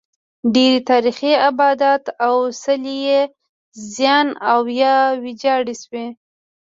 ډېری تاریخي ابدات او څلي یې زیان او یا ویجاړ شوي.